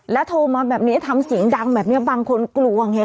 แล้วโทรมาแบบนี้ทำสีดังแบบนี้บางคนกลัวไงคะ